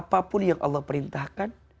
menjalani apa yang allah perintahkan